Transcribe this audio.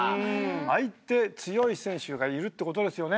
相手強い選手がいるってことですよね。